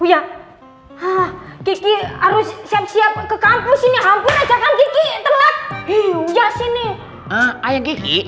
uya ha kiki harus siap siap ke kampus ini hampir jangan kiki telat ya sini ayo kiki